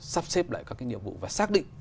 sắp xếp lại các nhiệm vụ và xác định